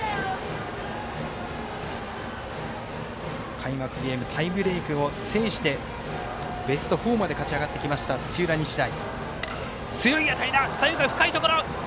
開幕ゲームタイブレークを制してベスト４まで勝ち上がってきました土浦日大。